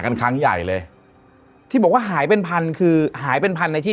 ครั้งใหญ่เลยที่บอกว่าหายเป็นพันคือหายเป็นพันในที่